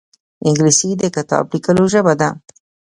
انګلیسي د کتاب لیکلو ژبه ده